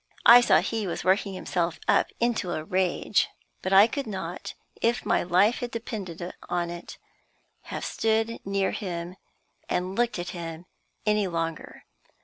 I saw he was working himself up into a rage; but I could not, if my life had depended on it, have stood near him or looked at him any longer.